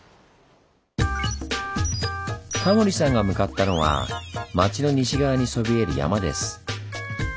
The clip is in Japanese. タモリさんが向かったのは町の西側にそびえる山です。